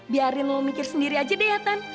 biarin lo mikir sendiri aja deh ya tan